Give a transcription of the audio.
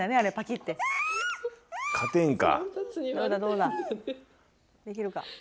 できるか？